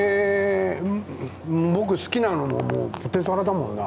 僕好きなのポテサラだもんな。